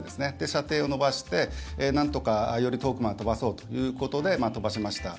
射程を延ばしてなんとか、より遠くまで飛ばそうということで飛ばしました。